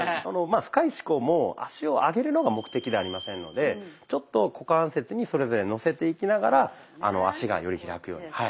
まあ深い四股も足を上げるのが目的ではありませんのでちょっと股関節にそれぞれのせていきながら足がより開くように。